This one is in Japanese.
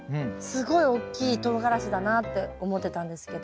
すごい大きいとうがらしだなって思ってたんですけど。